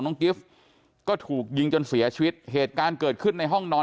กิฟต์ก็ถูกยิงจนเสียชีวิตเหตุการณ์เกิดขึ้นในห้องนอน